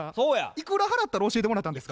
いくら払ったら教えてもらえたんですか？